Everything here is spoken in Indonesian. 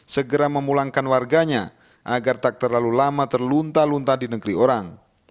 segera memulangkan warganya agar tak terlalu lama terlunta lunta di negeri orang